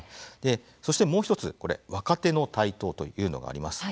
そして、もう１つ若手の台頭というのがあります。